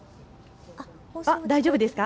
大丈夫ですか。